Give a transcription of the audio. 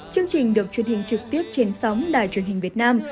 chương trình được truyền hình trực tiếp trên sóng đài truyền hình việt nam